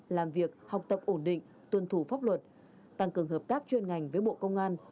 làm việc học tập ổn định tuân thủ pháp luật tăng cường hợp tác chuyên ngành với bộ công an